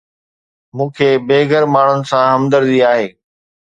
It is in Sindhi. مون کي بي گهر ماڻهن سان همدردي آهي